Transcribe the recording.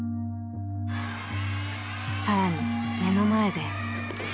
更に目の前で。